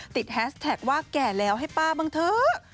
แฮสแท็กว่าแก่แล้วให้ป้าบ้างเถอะ